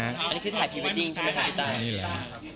อันนี้คือถ่ายพรีเวดดิ้งที่ไปถ่ายพี่ตาย